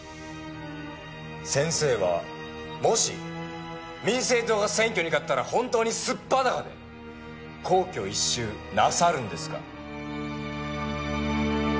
先生はもし民政党が選挙に勝ったら本当に素っ裸で皇居一周なさるんですか？